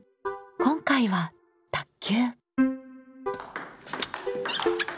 今回は「卓球」。